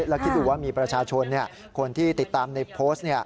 แล้วคิดดูว่ามีประชาชนคนที่ติดตามในโพสต์